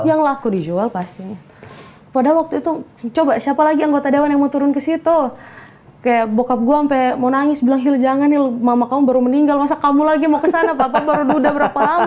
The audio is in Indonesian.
yang laku dijual pasti padahal waktu itu coba siapa lagi anggota dewan yang mau turun ke situ kayak bokap gue sampai mau nangis bilang jangan nih mama kamu baru meninggal masa kamu lagi mau kesana papan baru udah berapa lama